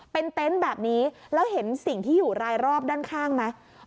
เป็นเต็นต์แบบนี้แล้วเห็นสิ่งที่อยู่รายรอบด้านข้างไหม